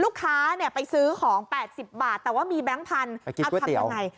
ลูกค้าเนี่ยไปซื้อของ๘๐บาทแต่ว่ามีแบงค์พันธุ์